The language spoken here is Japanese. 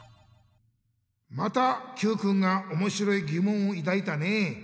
またＱくんがおもしろいぎもんをいだいたね。